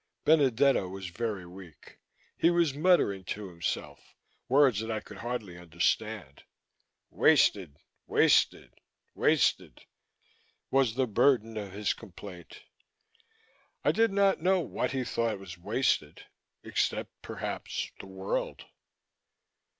Benedetto was very weak. He was muttering to himself, words that I could hardly understand. "Wasted, wasted, wasted," was the burden of his complaint. I did not know what he thought was wasted except, perhaps, the world.